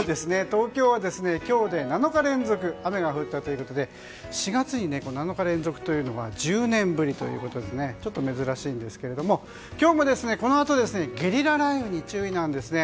東京は今日で７日連続雨が降ったということで４月に７日連続というのは１０年ぶりということで珍しいんですけれども今日もこのあとゲリラ雷雨に注意なんですね。